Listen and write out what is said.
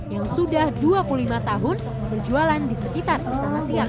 yang sudah dua puluh lima tahun berjualan di sekitar istana siang